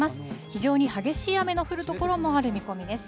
非常に激しい雨の降る所もある見込みです。